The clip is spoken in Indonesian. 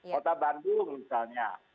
kota bandung misalnya